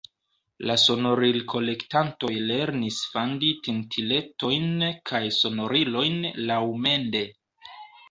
La sonoril-kolektantoj lernis fandi tintiletojn kaj sonorilojn laŭmende.